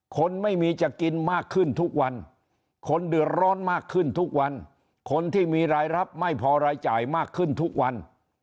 คนไม่มีจะกินมากขึ้นทุกวันคนเดือดร้อนมากขึ้นทุกวันคนที่มีรายรับไม่พอรายจ่ายมากขึ้นทุกวัน